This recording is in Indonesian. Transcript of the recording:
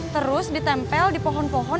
terus ditempel di pohon pohon